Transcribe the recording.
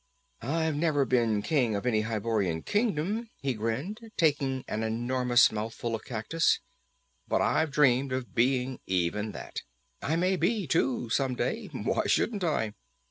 "I've never been king of an Hyborian kingdom," he grinned, taking an enormous mouthful of cactus. "But I've dreamed of being even that. I may be too, some day. Why shouldn't I?"